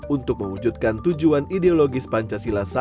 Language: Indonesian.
untuk mewujudkan tujuan ideologis pancasila satu